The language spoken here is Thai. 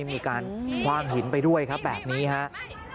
มีการคว่างหินไปด้วยครับแบบนี้ครับ